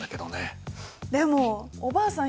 でもおばあさん